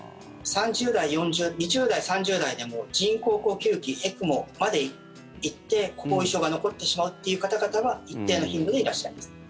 ２０代、３０代でも人工呼吸器、ＥＣＭＯまで行って後遺症が残ってしまうという方々は一定の頻度でいらっしゃいます。